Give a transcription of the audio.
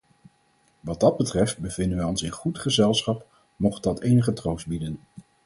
Wat dat betreft, bevinden wij ons in goed gezelschap, mocht dat enige troost bieden.